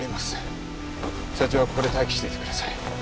社長はここで待機しててください。